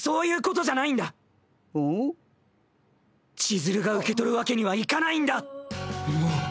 千鶴が受け取るわけにはいかないんだ。